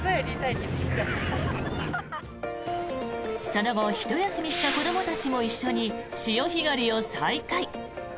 その後、ひと休みした子どもたちも一緒に潮干狩りを再開。